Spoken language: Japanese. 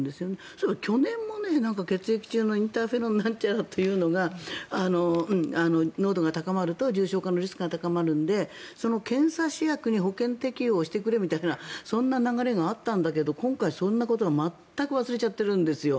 そういえば去年も血液中のインターなんちゃらというのが濃度が高まると重症化のリスクが高まるのでその検査試薬に保険適用してくれみたいなそんな流れがあったんだけど今回そんなことを全く忘れちゃってるんですよ。